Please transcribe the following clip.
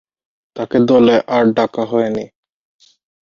তাকে দলে আর ডাকা হয়নি।